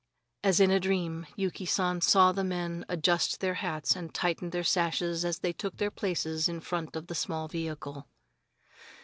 As in a dream, Yuki San saw the men adjust their hats and tighten their sashes as they took their places in front of the small vehicle.